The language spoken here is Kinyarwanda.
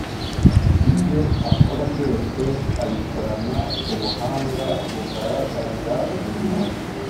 Ibyo akora byose abikorana ubuhanga bugaragarira buri muntu